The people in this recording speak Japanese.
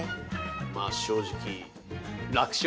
まあ正直楽勝？